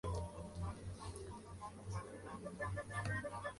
Se convirtió en parte de la categoría de muchachos siendo su mentora, Simona Ventura.